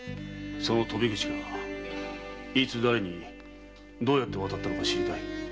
その鳶口がいつだれにどうして渡ったのか知りたい。